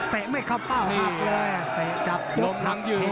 เตะไม่เข้าเกาะฮารักเลย